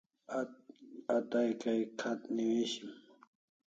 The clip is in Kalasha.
A tay kay kh'at newishim